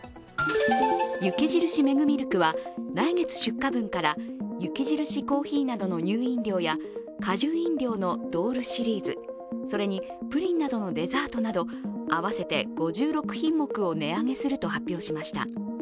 雪印メグミルクは来月出荷分から雪印コーヒーなどの乳飲料や果汁飲料のＤｏｌｅシリーズそれにプリンなどのデザートなど合わせて５６品目を値上げすると発表しました。